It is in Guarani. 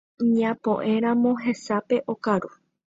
Ñapo'ẽramo hesápe okaru